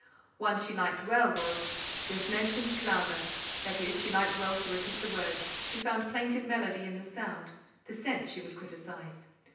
One she liked well was "Des Mädchens Klage:" that is, she liked well to repeat the words, she found plaintive melody in the sound; the sense she would criticise.